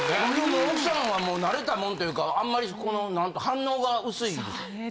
もう奥さんは慣れたもんというかあんまりこの反応が薄いですね。